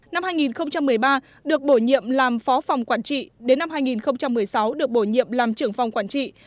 năm hai nghìn một mươi ba được bổ nhiệm làm phó phòng quản trị đến năm hai nghìn một mươi sáu được bổ nhiệm làm trưởng phòng quản trị